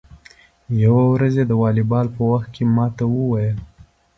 یوه ورځ یې د والیبال په وخت کې ما ته و ویل: